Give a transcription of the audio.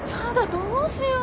どうしよう？